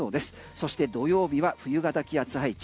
そして土曜日は冬型気圧配置。